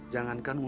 jangankan untuk dia